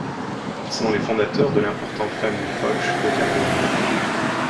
Ils sont les fondateurs de l'importante famille Folch de Cardona.